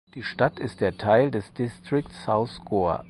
Die Stadt ist der Teil des Distrikt South Goa.